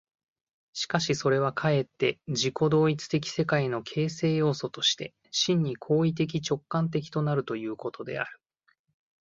しかしそれはかえって自己同一的世界の形成要素として、真に行為的直観的となるということである。